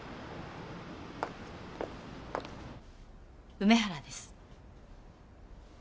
梅原です。